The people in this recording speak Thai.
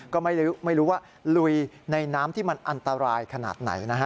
ก็ไม่รู้ว่าลุยในน้ำที่มันอันตรายขนาดไหนนะฮะ